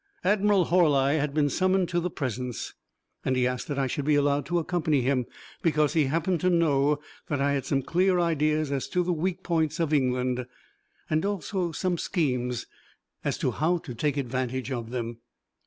Admiral Horli had been summoned to the Presence, and he asked that I should be allowed to accompany him, because he happened to know that I had some clear ideas as to the weak points of England, and also some schemes as to how to take advantage of them.